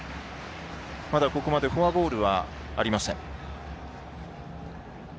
まだここまでフォアボールはありません。